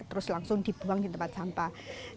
terus langsung dibuang di tempat sampah